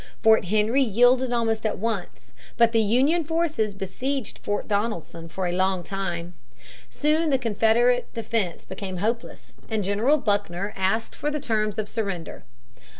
Fort Henry yielded almost at once, but the Union forces besieged Fort Donelson for a longer time. Soon the Confederate defense became hopeless, and General Buckner asked for the terms of surrender.